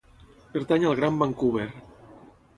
Pertany al Gran Vancouver.